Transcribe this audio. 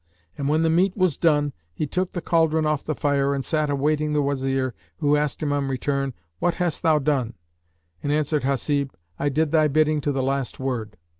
And when the meat was done, he took the cauldron off the fire and sat awaiting the Wazir who asked him on return, "What hast thou done?" and answered Hasib, "I did thy bidding to the last word."